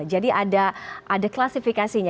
jadi ada klasifikasinya